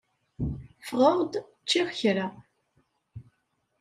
Ffɣeɣ-d ččiɣ kra.